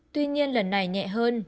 tuy nhiên lần này nhẹ hơn